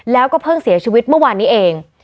แล้วก็เพิ่งเสียชีวิตเมื่อวานนี้เอง